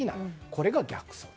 これが逆送。